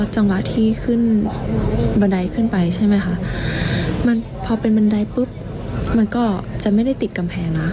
จังหวัดที่บันดัยขึ้นไปใช่ไหมคะมันก็ไม่ติดกำแพงนะ